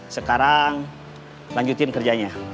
sekarang lanjutin kerjanya